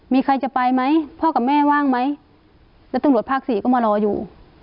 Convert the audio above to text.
มีใครจะไปไหมพ่อกับแม่ว่างไหมแล้วตำรวจภาคสี่ก็มารออยู่